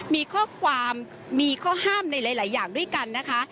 มีข้อความมีข้อห้ามในหลายอย่างด้วยกันนะคะ